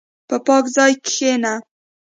په پاک ځای کښېنه.